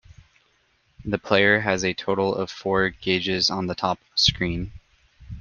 The player has a total of four gauges on the top screen.